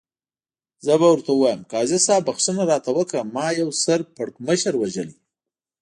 زه به ورته ووایم، قاضي صاحب بخښنه راته وکړه، ما یو سر پړکمشر وژلی.